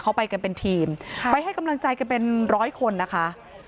เขาไปกันเป็นทีมไปให้กำลังใจกันเป็นร้อยคนนะคะ